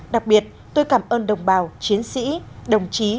đặc biệt tôi cảm ơn đồng bào chiến sĩ đồng chí